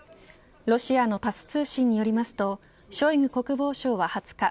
ロシアのタス通信によりますとショイグ国防相は２０日